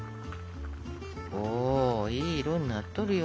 おいい色になっとるよ。